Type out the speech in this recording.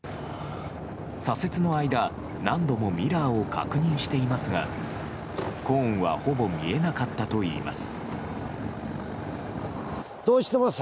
左折の間、何度もミラーを確認していますがコーンはほぼ見えなかったといいます。